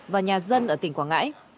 và nhà dân ở tỉnh quảng ngãi